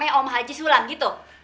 tentu disuruh amai om haji sulam gitu